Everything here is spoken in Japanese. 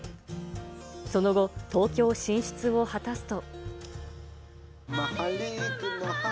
その後、東京進出を果たすと。